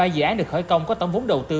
ba dự án được khởi công có tổng vốn đầu tư